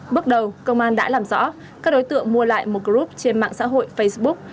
bước đầu công an đã làm rõ các đối tượng mua lại một group trên mạng xã hội facebook